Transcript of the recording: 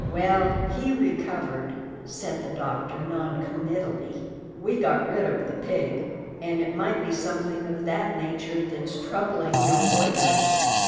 "Well, he recovered," said the Doctor non committally. "We got rid of the pig. And it might be something of that nature that's troubling your boy friend.